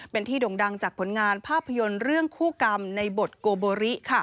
เป็นที่ด่งดังจากผลงานภาพยนตร์เรื่องคู่กรรมในบทโกโบริ